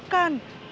bapak saya mau